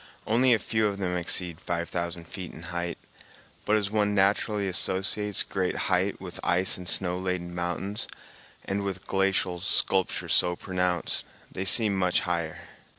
Only a few of them exceed five thousand feet in height; but as one naturally associates great height with ice and snow laden mountains and with glacial sculpture so pronounced, they seem much higher.